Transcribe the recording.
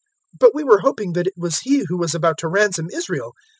024:021 But we were hoping that it was He who was about to ransom Israel.